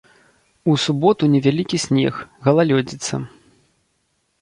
У суботу невялікі снег, галалёдзіца.